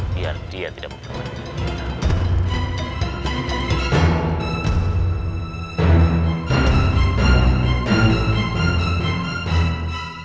biar dia tidak memperlukan kita